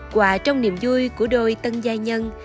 quà trong niềm vui của đôi tân gia nhân